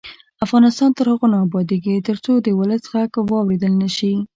افغانستان تر هغو نه ابادیږي، ترڅو د ولس غږ واوریدل نشي.